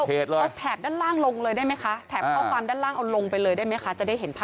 เอาแตกด้านล่างโลงเลยได้ไหมคะ